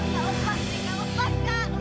kak lepas dika lepas kak